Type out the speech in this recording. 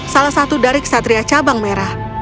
salah satu dari kesatria cabang merah